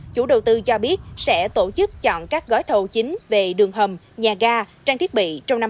chủ đầu tư cho biết sẽ tổ chức chọn các gói thầu chính về đường hầm nhà ga trang thiết bị trong năm hai nghìn hai mươi